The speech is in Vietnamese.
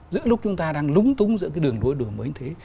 giữa lúc chúng ta đang lúng túng giữa cái đường lối đổi mới như thế